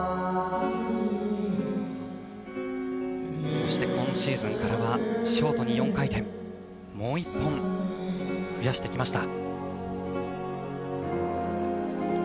そして今シーズンからはショートに４回転１本増やしてきました。